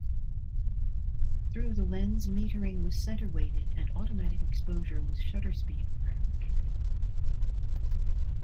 Through the lens metering was center weighted and automatic exposure was shutter speed priority.